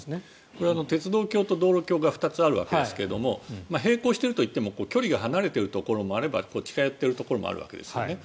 これは鉄道橋と道路橋が２つあるわけですが平行しているといっても距離が離れているところもあれば近寄っているところもあるわけですね。